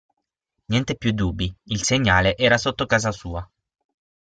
Niente più dubbi, il segnale era sotto casa sua.